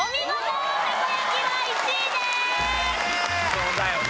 そうだよね。